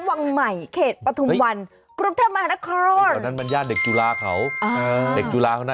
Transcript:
อยากรู้นะอย่างอยู่ที่ไหน